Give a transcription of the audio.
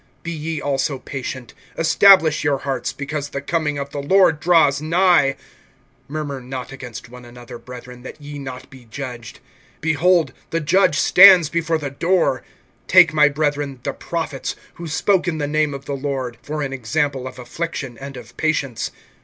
(8)Be ye also patient; establish your hearts, because the coming of the Lord draws nigh. (9)Murmur not against one another, brethren, that ye be not judged. Behold, the judge stands before the door. (10)Take, my brethren, the prophets, who spoke in the name of the Lord, for an example of affliction, and of patience.